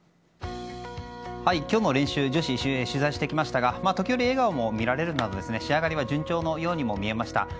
今日の練習女子を取材してきましたが時折、笑顔も見られるなど仕上がり順調なように見えました。